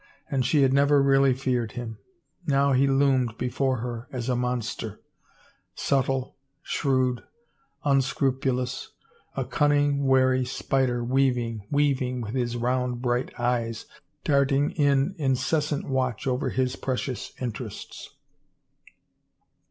And she had never really feared him. ... Now he loomed before her as a monster, sub tle, shrewd, unscrupulous, a cunning, wary spider, weav ing, weaving, with his round bright eyes darting in in cessant watch over his precious interests.